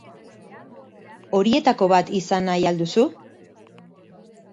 Horietako bat izan nahi al duzu?